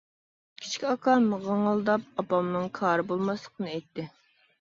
كىچىك ئاكام غىڭىلداپ ئاپامنىڭ كارى بولماسلىقىنى ئېيتتى.